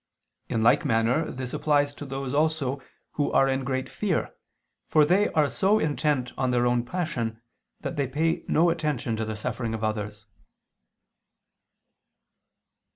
In like manner this applies to those also who are in great fear, for they are so intent on their own passion, that they pay no attention to the suffering of others.